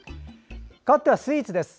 かわってはスイーツです。